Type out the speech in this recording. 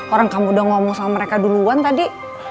orang kamu udah ngomong sama mereka duluan tadi